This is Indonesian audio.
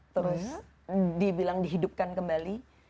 terus dibilang dihidupkan kembali